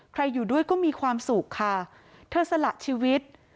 อยู่ด้วยก็มีความสุขค่ะเธอสละชีวิต